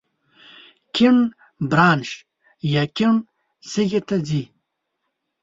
کیڼ برانش یې کیڼ سږي ته ځي.